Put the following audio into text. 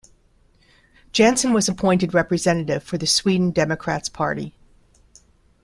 Jansson was appointed representative for the Sweden Democrats party.